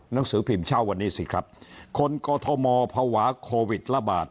หนังสือพิมพ์เช้าวันนี้สิครับคนกอทมภาวะโควิดระบาด